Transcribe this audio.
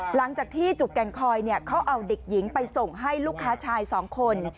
หลังจากที่จุกแก่งคอยเขาเอาเด็กหญิงไปส่งให้ลูกค้าชายสองคน